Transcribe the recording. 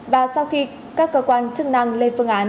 và sau khi các cơ quan chức năng lên phương án